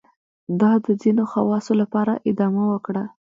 دا د ځینو خواصو لپاره ادامه وکړه.